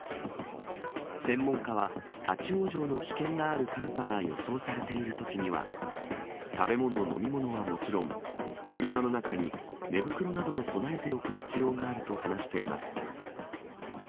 専門家は、立往生の危険がある寒波が予想されているときには、食べ物、飲み物はもちろん、車の中に寝袋などを備えておく必要があると話しています。